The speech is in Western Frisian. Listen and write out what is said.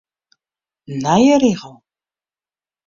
Nije rigel.